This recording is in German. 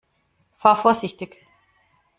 Fahr vorsichtig!